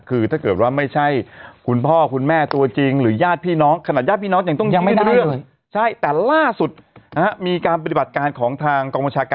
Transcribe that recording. คือถ้าเกิดว่าไม่ใช่คุณพ่อคุณแม่ตัวจริงหรือญาติพี่น้อง